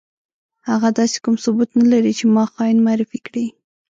هغه داسې کوم ثبوت نه لري چې ما خاين معرفي کړي.